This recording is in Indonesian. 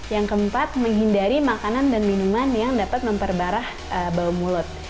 yang keempat menghindari makanan dan minuman yang dapat memperbarah bau mulut